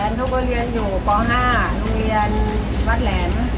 แฟนเค้าก็เรียนอยู่ป้อห้าโรงเรียนวัดแหล่น